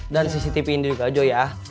dan cctv ini juga jo ya